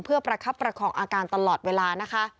เพื่อประคับประคองอาการตลอดเวลานะคะ